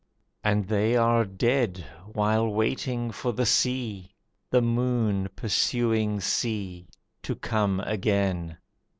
And they are dead while waiting for the sea, The moon pursuing sea, to come again.